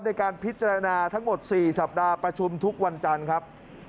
ในการพิจารณาทั้งหมด๔สัปดาห์ประชุมทุกวันจันทร์ครับ